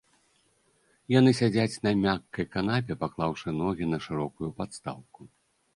Яны сядзяць на мяккай канапе, паклаўшы ногі на шырокую падстаўку.